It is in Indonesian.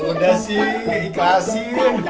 ya udah sih kasih